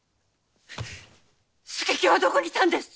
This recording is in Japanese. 佐清はどこにいたんです！